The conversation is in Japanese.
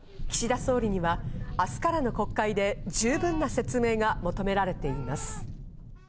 総理には明日からの国会で十分な説明が求められています。